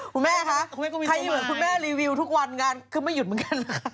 คุณแม่คะใครเหมือนคุณแม่รีวิวทุกวันงานคือไม่หยุดเหมือนกัน